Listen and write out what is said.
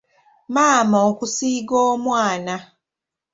Maama okusiiga omwana.